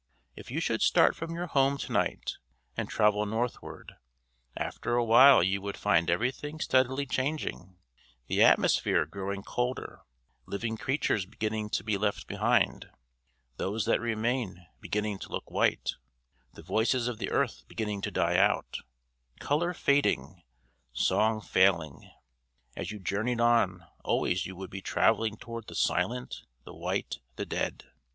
"If you should start from your home to night and travel northward, after a while you would find everything steadily changing: the atmosphere growing colder, living creatures beginning to be left behind, those that remain beginning to look white, the voices of the earth beginning to die out: color fading, song failing. As you journeyed on always you would be travelling toward the silent, the white, the dead.